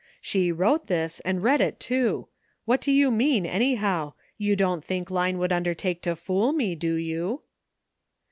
She wrote this, and read it, too ; what do you mean, anyhow? You don't think Line would under take to fool me, do you?